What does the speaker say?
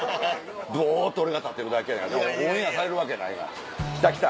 ぼっと俺が立ってるだけやからオンエアされるわけないがな。来た来た。